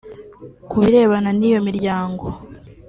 Ku birebana n’iyo miryango